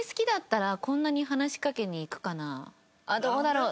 あっどうだろう？